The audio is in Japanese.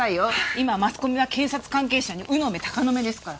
今マスコミは検察関係者に鵜の目鷹の目ですから。